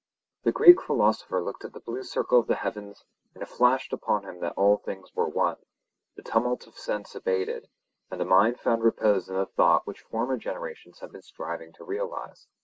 The Greek philosopher looked at the blue circle of the heavens and it flashed upon him that all things were one; the tumult of sense abated, and the mind found repose in the thought which former generations had been striving to realize.